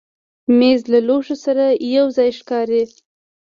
مېز له لوښو سره یو ځای ښکاري.